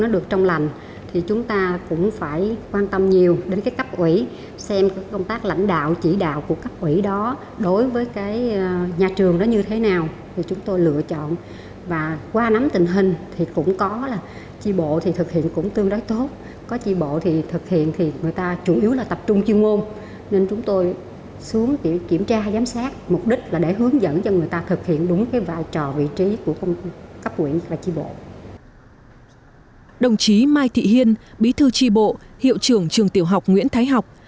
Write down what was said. đồng chí mai thị hiên bí thư tri bộ hiệu trưởng trường tiểu học nguyễn thái học